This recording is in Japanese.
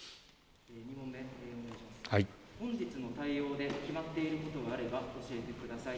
本日の対応で決まっていることがあれば教えてください。